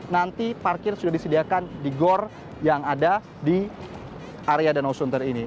nanti parkir sudah disediakan di gor yang ada di area danau sunter ini